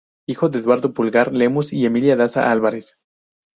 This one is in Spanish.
Hijo de Eduardo Pulgar Lemus y Emilia Daza Álvarez.